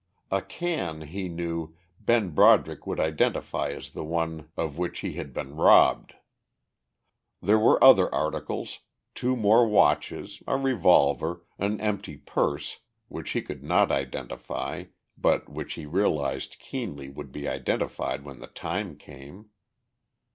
A can, he knew, Ben Broderick would identify as the one of which he had been robbed! There were other articles, two more watches, a revolver, an empty purse, which he could not identify but which he realized keenly would be identified when the time came.